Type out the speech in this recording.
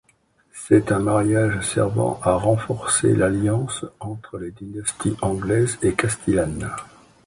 C'est un mariage servant à renforcer l'alliance entre les dynasties anglaise et castillane.